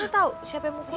tau siapa yang mukulin